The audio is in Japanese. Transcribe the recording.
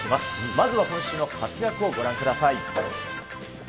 まずは、今週の活躍をご覧ください。